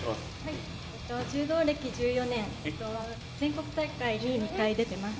柔道歴１４年全国大会に２回出てます。